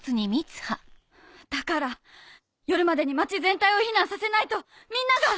だから夜までに町全体を避難させないとみんなが！